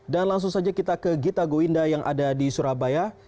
langsung saja kita ke gita gowinda yang ada di surabaya